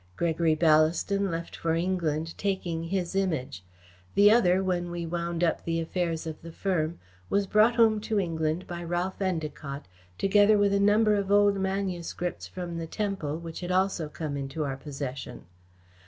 Gregory Ballaston left for England, taking his Image. The other, when we wound up the affairs of the firm, was brought home to England by Ralph Endacott, together with a number of old manuscripts from the temple, which had also come into our possession.